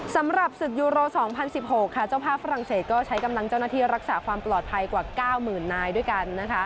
สำหรับศึกยูโร๒๐๑๖เจ้าภาพฝรั่งเศสก็ใช้กำลังเจ้าหน้าที่รักษาความปลอดภัยกว่า๙๐๐นายด้วยกัน